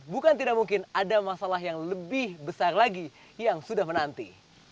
bukan tidak mungkin ada masalah yang lebih besar lagi yang sudah menanti